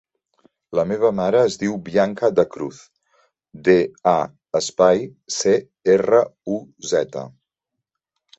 La meva mare es diu Bianca Da Cruz: de, a, espai, ce, erra, u, zeta.